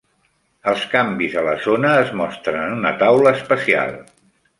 Els canvis a la zona es mostren en una taula especial.